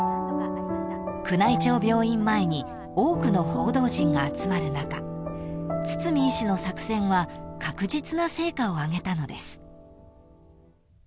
［宮内庁病院前に多くの報道陣が集まる中堤医師の作戦は確実な成果を上げたのです］